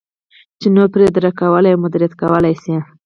چې نور پرې درک کولای او مدیریت کولای شي.